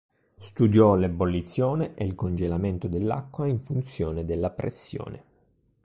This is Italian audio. Studiò l'ebollizione e il congelamento dell'acqua in funzione della pressione.